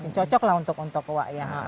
cocok lah untuk owa